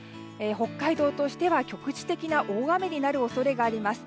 北海道としては局地的な大雨になる恐れがあります。